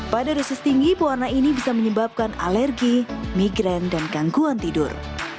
pada dosis tinggi pewarna ini bisa menyebabkan alergi migran dan gangguan tidur